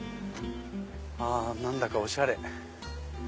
何だかおしゃれ！